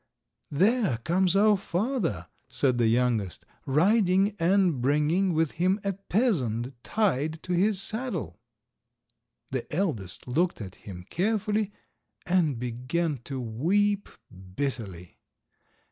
"There comes our father," said the youngest, "riding, and bringing with him a peasant, tied to his saddle." The eldest looked at him carefully, and began to weep bitterly.